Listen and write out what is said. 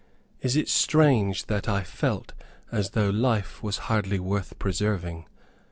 Is it strange that I felt as though life was hardly worth preserving?